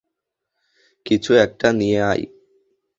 কিছু একটা নিয়ে আয়।